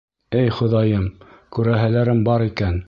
Эй, Хоҙайым, күрәһеләрем бар икән.